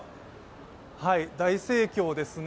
大盛況ですね。